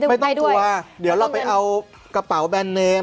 ไม่ต้องกลัวเดี๋ยวเราไปเอากระเป๋าแบรนดเนม